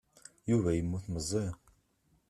Yuba yemmut meẓẓi.